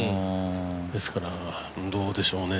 ですからどうでしょうね。